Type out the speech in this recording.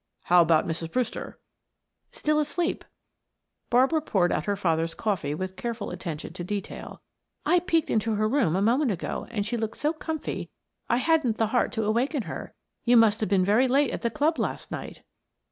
"How about Mrs. Brewster?" "Still asleep." Barbara poured out her father's coffee with careful attention to detail. "I peeked into her room a moment ago and she looked so 'comfy' I hadn't the heart to awaken her. You must have been very late at the club last night."